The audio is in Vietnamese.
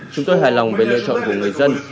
chúng tôi hài lòng về lựa chọn của người dân